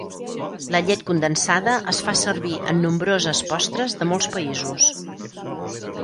La llet condensada es fa servir en nombroses postres de molts països.